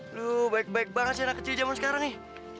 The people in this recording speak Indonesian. aduh baik baik banget sih anak kecil zaman sekarang nih